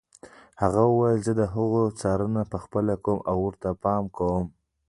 هغه وویل زه د هغو څارنه پخپله کوم او ورته پام کوم.